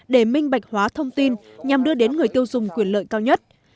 để minh bạch hóa thông tin nhằm đưa đến người tiêu dùng quyền lợi cao nhất